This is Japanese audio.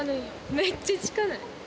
めっちゃ近ない？